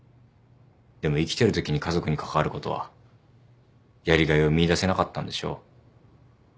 でも生きてるときに家族に関わることはやりがいを見いだせなかったんでしょう。